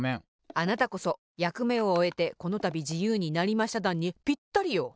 あなたこそ「やくめをおえてこのたびじゆうになりましただん」にぴったりよ。